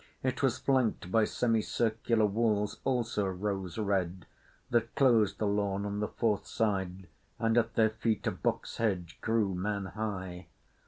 It was flanked by semi circular walls, also rose red, that closed the lawn on the fourth side, and at their feet a box hedge grew man high.